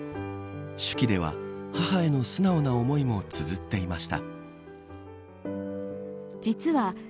手記では、母への素直な思いもつづっていました。